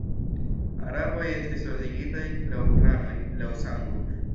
Araboj estis ordigitaj laŭ klanoj, laŭ sango.